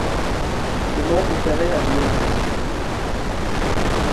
Ses membres opéraient habillés en civil.